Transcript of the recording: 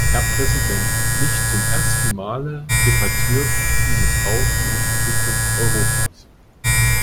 Herr Präsident! Nicht zum ersten Male debattiert dieses Haus über die Zukunft Europas.